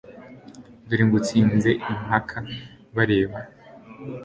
Dore ngutsinze impaka bareba